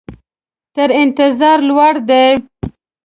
تر انتظار لوړ دي.